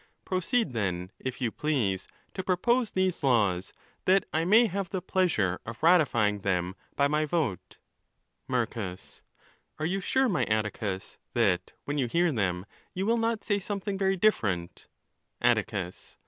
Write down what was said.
—Proceed, then, if you please, to propose these laws, that I may have the pleasure of ratifying them by my vote. Marcus.—Are you sure, my Atticus, that when you hear them, you will not say something very different ? Attieus.